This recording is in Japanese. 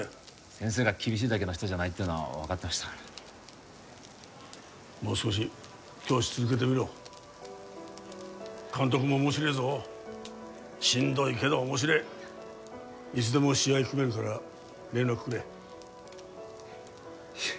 先生が厳しいだけの人じゃないっていうのは分かってましたからもう少し教師続けてみろ監督もおもしれえぞしんどいけどおもしれえいつでも試合組めるから連絡くれいや